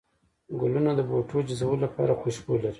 گلونه د بوټو جذبولو لپاره خوشبو لري